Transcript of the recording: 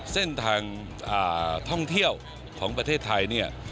เส้นทางท่องเที่ยวของประเทศไทยเนี่ย